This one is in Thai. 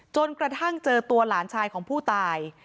จนกระทั่งเจอตัวหลานชายของผู้ตาย